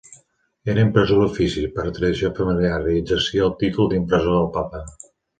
Era impressor d'ofici, per tradició familiar, i exercia el títol d'impressor del papa.